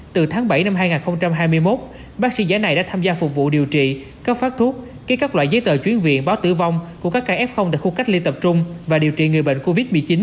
từ tháng bảy năm hai nghìn hai mươi một bác sĩ giá này đã tham gia phục vụ điều trị cấp phát thuốc ký các loại giấy tờ chuyển viện báo tử vong của các ca f tại khu cách ly tập trung và điều trị người bệnh covid một mươi chín